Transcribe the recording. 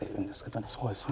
そうですね。